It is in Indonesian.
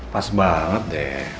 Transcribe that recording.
pas banget deh